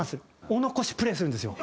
お残しプレイするんですよ。